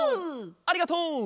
ありがとう！